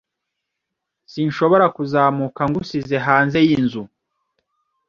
Sinshobora kuzamuka ngusize hanze yinzu